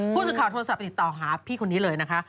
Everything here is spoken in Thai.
ผู้สื่อข่าวโทรศัพท์ไปติดต่อหาพี่คนนี้เลยนะคะ